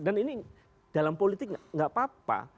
dan ini dalam politik gak apa apa